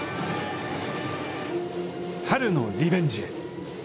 春のリベンジへ。